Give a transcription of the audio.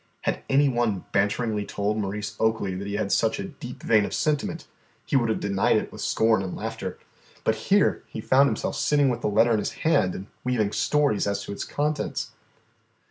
Had any one banteringly told Maurice Oakley that he had such a deep vein of sentiment, he would have denied it with scorn and laughter. But here he found himself sitting with the letter in his hand and weaving stories as to its contents.